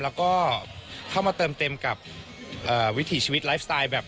แล้วก็เข้ามาเติมเต็มกับวิถีชีวิตไลฟ์สไตล์แบบ